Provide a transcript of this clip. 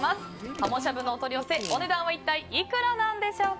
鱧しゃぶのお取り寄せお値段は一体いくらなんでしょうか。